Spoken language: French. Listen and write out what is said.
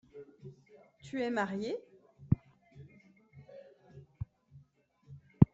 Tu es marié ?